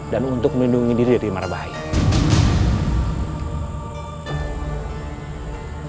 dan untuk melindungi diri dari marah bahaya